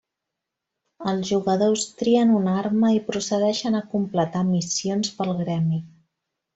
Els jugadors trien una arma i procedeixen a completar missions pel gremi.